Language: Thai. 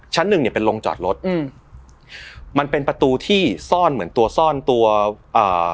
ชั้นหนึ่งเนี้ยเป็นโรงจอดรถอืมมันเป็นประตูที่ซ่อนเหมือนตัวซ่อนตัวอ่า